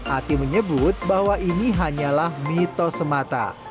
ati menyebut bahwa ini hanyalah mitos semata